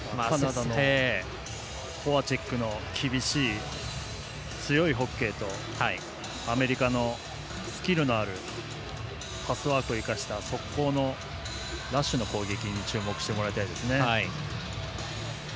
カナダのフォアチェックの厳しい強いホッケーとアメリカの、スキルのあるパスワークを生かした速攻のラッシュの攻撃に注目してもらいたいですね。